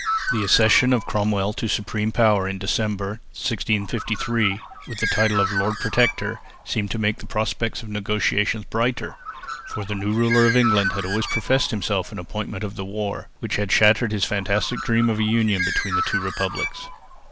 The accession of Cromwell to supreme power in December, 1653, with the title of Lord Protector seemed to make the prospects of the negotiations brighter, for the new ruler of England had always professed himself an opponent of the war, which had shattered his fantastic dream of a union between the two republics.